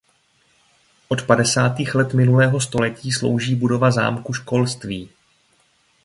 Od padesátých let minulého století slouží budova zámku školství.